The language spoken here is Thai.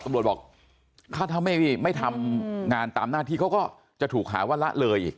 บอกถ้าไม่ทำงานตามหน้าที่เขาก็จะถูกหาว่าละเลยอีก